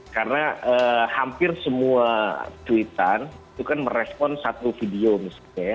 karena hampir semua tweetan itu kan merespons satu video misalnya ya